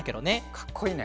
かっこいいね。